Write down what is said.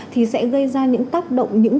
thì sẽ gây ra những tác động những